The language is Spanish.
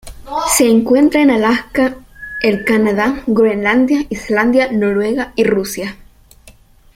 Se encuentra en Alaska, el Canadá, Groenlandia, Islandia, Noruega y Rusia.